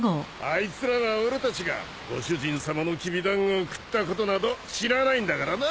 あいつらは俺たちがご主人さまのきびだんごを食ったことなど知らないんだからな。